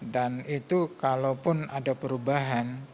dan itu kalaupun ada perubahan